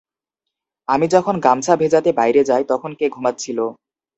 আমি যখন গামছা ভেজাতে বাইরে যাই, তখন কে ঘুমাচ্ছিল?